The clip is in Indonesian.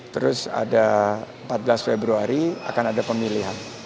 terus ada empat belas februari akan ada pemilihan